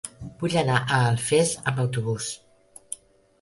Vull anar a Alfés amb autobús.